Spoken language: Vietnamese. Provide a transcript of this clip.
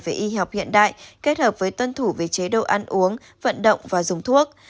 về y học hiện đại kết hợp với tuân thủ về chế độ ăn uống vận động và dùng thuốc